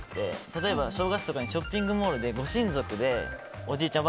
例えば、正月とかにショッピングモールでご親族でおじいちゃん